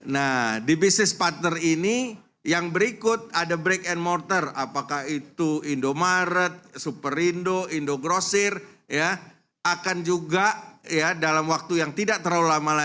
nah di business partner ini yang berikut ada break and mortar apakah itu indomaret superindo indogrocer ya akan juga ya dalam waktu yang tidak terlalu lama ya bisa dipakai